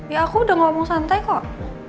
ya aku udah ngomong santai kok